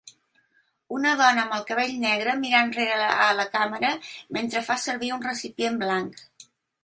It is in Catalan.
Una dona amb el cabell negre mirant enrere a la càmera mentre fa servir un recipient blanc.